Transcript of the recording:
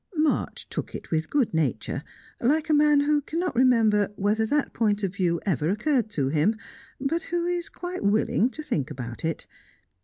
March took it with good nature, like a man who cannot remember whether that point of view ever occurred to him, but who is quite willing to think about it.